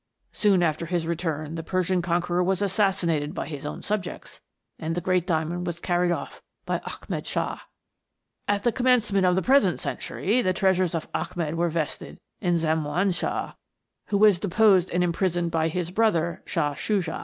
Soon after his return the Persian conqueror was assassinated by his own subjects, and the great diamond was carried off by Ahmed Shah. " At the commencement of the present century, the treasures of Ahmed were vested in Zemaun Shah, who was deposed and imprisoned by his bro ther, Shah Shuja.